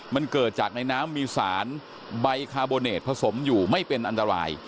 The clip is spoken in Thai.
มันเกิดจากในน้ำมีสารใบคาร์โบเนตผสมอยู่ไม่เป็นอันตราย